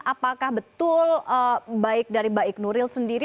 apakah betul baik dari baik nuril sendiri